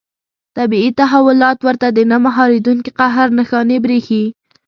طبیعي تحولات ورته د نه مهارېدونکي قهر نښانې برېښي.